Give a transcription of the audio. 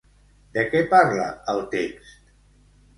De què parla el text?